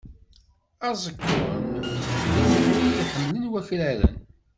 Aẓekkun d imɣi i ḥemmlen wakraren.